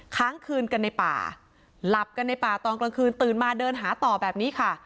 ค้างคืนกันในป่าหลับกันในป่าตอนกลางคืนตื่นมาเดินหาต่อแบบนี้ค่ะ